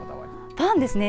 パンですね